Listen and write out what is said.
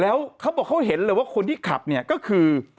แล้วเขาบอกเขาเห็นเลยว่าคนที่ขับเนี่ยก็คือ